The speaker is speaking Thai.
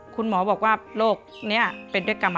คุณหมอบอกว่าโรคนี้เป็นเพศกรรมพันธุ์